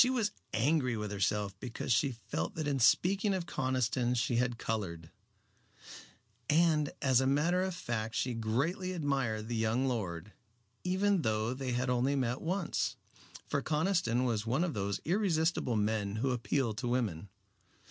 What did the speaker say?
She was angry with herself because she felt that in speaking of Conniston she had colored. And as a matter of fact she greatly admired the young lord, even though they had only met once, for Conniston was one of those irresistible men who appeal to women.